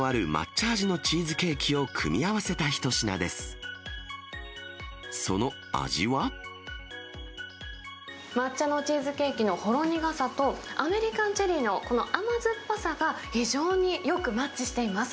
抹茶のチーズケーキのほろ苦さと、アメリカンチェリーのこの甘酸っぱさが、非常によくマッチしています。